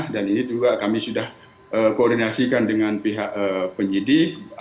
dan ini juga kami sudah koordinasikan dengan pihak penyidik